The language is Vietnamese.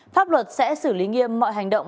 pháp luật sẽ xử lý nghiêm mọi hành động